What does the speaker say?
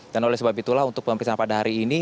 dan oleh sebab itulah untuk pemeriksaan pada hari ini